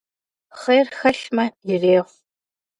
Хъер хэлъмэ, ирехъу.